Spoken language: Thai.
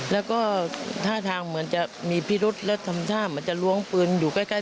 แล้วก็ท่าทางเหมือนจะมีพิรุษแล้วทำท่าเหมือนจะล้วงปืนอยู่ใกล้